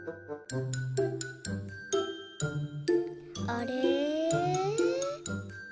あれ？